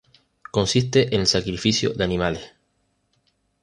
Consiste en el sacrificio de animales.